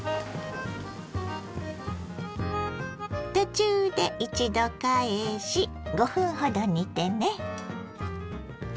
途中で一度返し５分ほど煮てね。